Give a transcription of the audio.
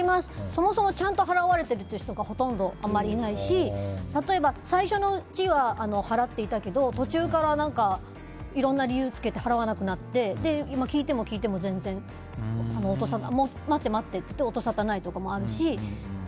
そもそもちゃんと払われてる人がほとんどあまりいないし例えば、最初のうちは払っていたけど途中からいろんな理由つけて払わなくなって聞いても聞いても全然待って、待ってって音さたがないこともあるし。